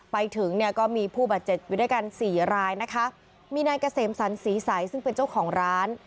ไปถึงเนี่ยก็มีผู้บาดเจ็บอยู่ด้วยกันสี่รายนะคะมีนายเกษมสันศรีใสซึ่งเป็นเจ้าของร้าน